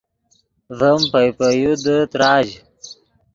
ڤیم پئے پے یو دے تراژ